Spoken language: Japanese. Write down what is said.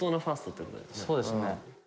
そうですね。